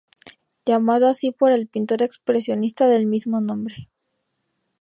Llamado así por el pintor expresionista del mismo nombre.